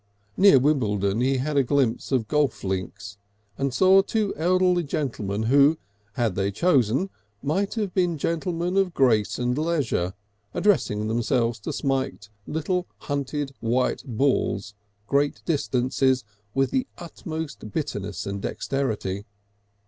Near Wimbledon he had a glimpse of golf links, and saw two elderly gentlemen who, had they chosen, might have been gentlemen of grace and leisure, addressing themselves to smite little hunted white balls great distances with the utmost bitterness and dexterity.